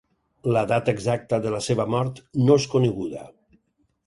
La data exacta de la seva mort no és coneguda.